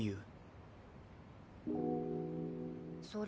うん。